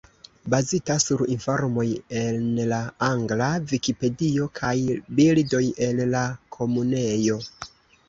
Bazita sur informoj en la angla Vikipedio kaj bildoj el la Komunejo.